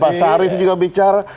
pak syarif juga bicara